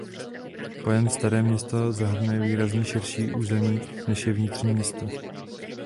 Pojem Staré město zahrnuje výrazně širší území než jen vnitřní město.